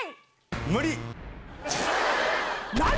無理。